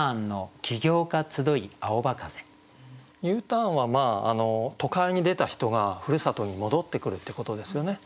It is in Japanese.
Ｕターンは都会に出た人がふるさとに戻ってくるってことですよね。